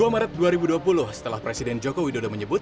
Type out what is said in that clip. dua puluh maret dua ribu dua puluh setelah presiden joko widodo menyebut